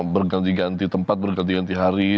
berganti ganti tempat berganti ganti hari